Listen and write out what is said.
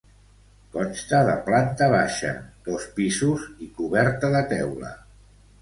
Consta de planta baixa, dos pisos i coberta de teula.